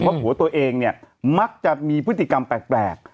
เพราะผัวตัวเองเนี่ยมักจะมีพฤติกรรมแปลก